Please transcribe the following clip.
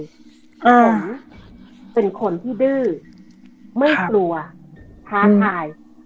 ผมเป็นคนที่ดื้อไม่กลัวท้าทาย